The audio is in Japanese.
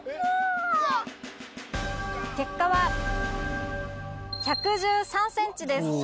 結果は１１３ｃｍです。